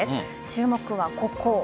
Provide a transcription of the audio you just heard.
注目はここ。